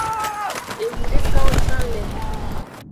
Enudekawo can le.